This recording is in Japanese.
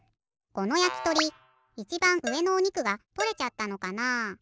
このやきとりいちばんうえのおにくがとれちゃったのかな？